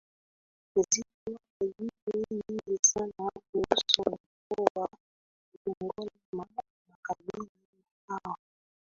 Zipo hadithi nyingi sana kuhusu Mkoa wa Kigoma na kabila la Waha